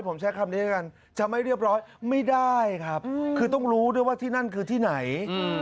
ผมใช้คำนี้แล้วกันจะไม่เรียบร้อยไม่ได้ครับคือต้องรู้ด้วยว่าที่นั่นคือที่ไหน